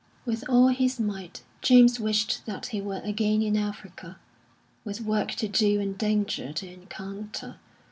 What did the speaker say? With all his might James wished that he were again in Africa, with work to do and danger to encounter.